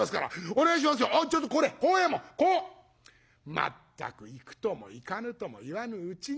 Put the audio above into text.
まったく行くとも行かぬとも言わぬうちに。